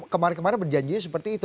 kemarin kemarin berjanjinya seperti itu